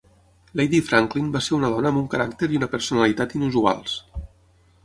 Lady Franklin va ser una dona amb un caràcter i una personalitat inusuals.